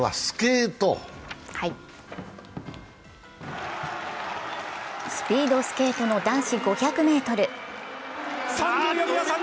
スピードスケートの男子５００ｍ。